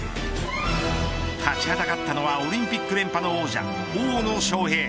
立ちはだかったのはオリンピック連覇の王者大野将平。